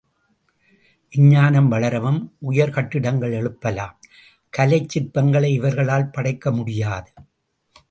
விஞ்ஞானம் வளரவும், உயர் கட்டிடங்கள் எழுப்பலாம் கலைச் சிற்பங்களை இவர்களால் படைக்க முடியாது.